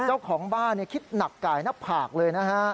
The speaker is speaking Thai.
เจ้าของบ้านเนี่ยคิดหนักไก่นับผากเลยนะฮะ